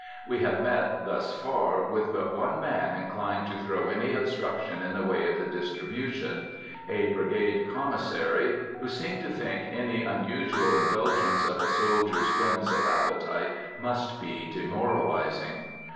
We have met, thus far, with but one man inclined to throw any obstruction in the way of the distribution,—a brigade commissary, who seemed to think any unusual indulgence of a soldier's whims of appetite must be demoralizing.